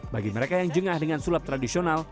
bagi mereka yang jengah dengan sulap tradisional